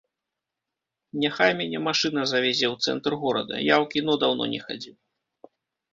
Няхай мяне машына завязе ў цэнтр горада, я ў кіно даўно не хадзіў.